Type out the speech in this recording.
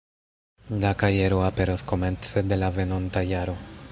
La kajero aperos komence de la venonta jaro.